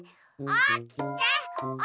おきて！